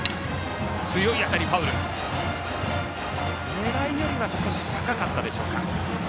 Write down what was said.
狙いよりは少し高かったでしょうか。